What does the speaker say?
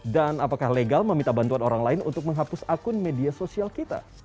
dan apakah legal meminta bantuan orang lain untuk menghapus akun media sosial kita